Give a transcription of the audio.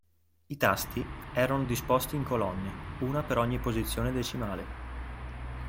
I tasti erano disposti in colonne, una per ogni posizione decimale.